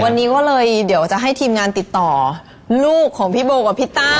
วันนี้ก็เลยเดี๋ยวจะให้ทีมงานติดต่อลูกของพี่โบกับพี่ต้า